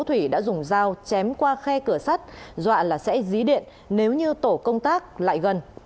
thủy đã dùng dao chém qua khe cửa sắt dọa là sẽ dí điện nếu như tổ công tác lại gần